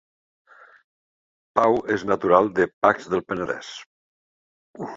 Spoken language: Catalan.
Pau és natural de Pacs del Penedès